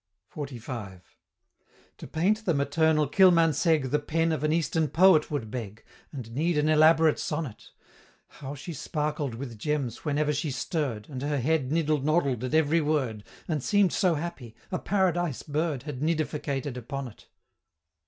XLV. To paint the maternal Kilmansegg The pen of an Eastern Poet would beg, And need an elaborate sonnet; How she sparkled with gems whenever she stirr'd, And her head niddle noddled at every word, And seem'd so happy, a Paradise Bird Had nidificated upon it.